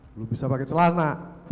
belum bisa pakai celana